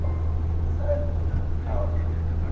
نجلۍ کمزورې کيږي او بدن يې له سخت حالت سره مخ کيږي,